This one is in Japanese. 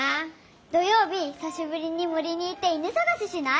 土曜日ひさしぶりにもりに行って犬さがししない？